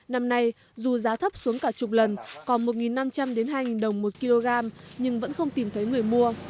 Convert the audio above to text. năm nay dù giá thấp xuống cả chục lần còn một năm trăm linh hai đồng một kg nhưng vẫn không tìm thấy người mua